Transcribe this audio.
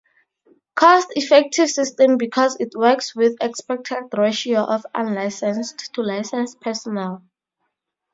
Cost-effective system because it works with expected ratio of unlicensed to licensed personnel.